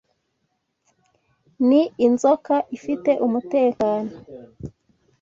Ni thiinzoka ifite umutekano?